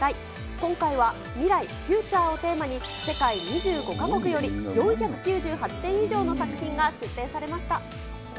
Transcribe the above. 今回は、未来・フューチャーをテーマに、世界２５か国より４９８点以上の作品が出展されました。